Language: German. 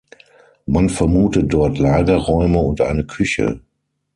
Man vermutet dort Lagerräume und eine Küche.